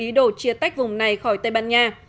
ý đồ chia tách vùng này khỏi tây ban nha